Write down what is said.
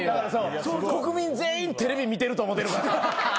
国民全員テレビ見てると思うてるから。